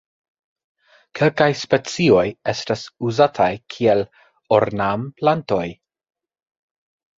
Kelkaj specioj estas uzataj kiel ornamplantoj.